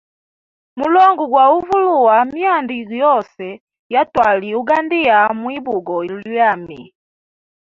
Mulongo gwa uvulua myanda yose ya twali ugandia mwi bugo lyami.